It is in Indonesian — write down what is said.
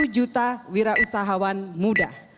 satu juta wirausahawan muda